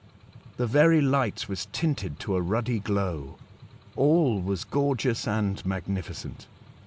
The very light was tinted to a ruddy glow. All was gorgeous and magnificent.